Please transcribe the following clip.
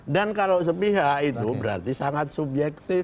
dan kalau sepihak itu berarti sangat subjektif